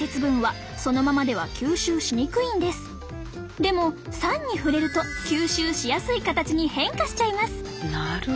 実はでも酸に触れると吸収しやすい形に変化しちゃいます！